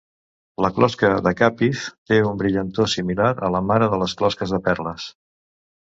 La closca de Capiz té un brillantor similar a la mare de les closques de perles.